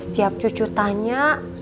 setiap cucu tanya